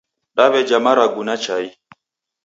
Daweja marugu na chai